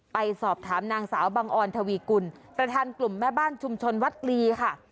ไปสอบถามนางสาวบังออนทวีกุลประธานกลุ่มแม่บ้านชุมชนวัดลีค่ะ